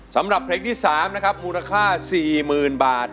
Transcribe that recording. สำหรับเพลงที่๓มูลค่า๔๐๐๐๐บาท